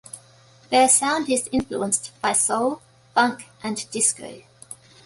Their sound is influenced by soul, funk and disco.